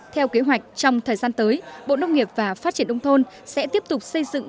theo kế hoạch trong thời gian tới bộ nông nghiệp và phát triển nông thôn sẽ tiếp tục xây dựng